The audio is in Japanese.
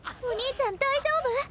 お兄ちゃん大丈夫？